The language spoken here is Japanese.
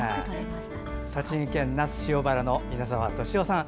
栃木県那須塩原の稲沢敏夫さん。